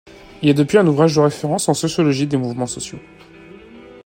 Il est depuis un ouvrage de référence en sociologie des mouvements sociaux.